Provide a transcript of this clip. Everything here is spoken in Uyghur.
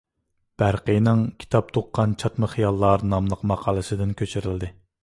بەرقىينىڭ «كىتاب تۇغقان چاتما خىياللار» ناملىق ماقالىسىدىن كۆچۈرۈلدى.